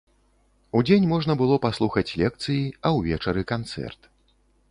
Удзень можна было паслухаць лекцыі, а ўвечары канцэрт.